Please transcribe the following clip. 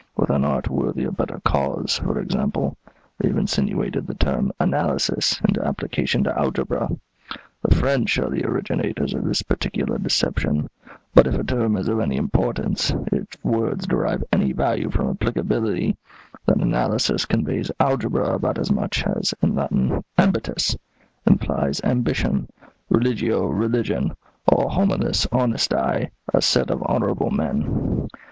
With an art worthy a better cause, for example, they have insinuated the term 'analysis' into application to algebra. The French are the originators of this particular deception; but if a term is of any importance, if words derive any value from applicability, then 'analysis' conveys 'algebra' about as much as, in Latin, 'ambitus' implies 'ambition,' 'religio' 'religion,' or 'homines honesti' a set of honourable men."